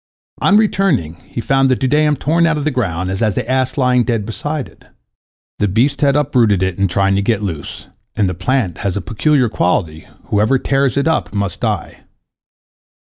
On returning, he found the dudaim torn out of the ground, and the ass lying dead beside it. The beast had uprooted it in trying to get loose, and the plant has a peculiar quality, whoever tears it up must die.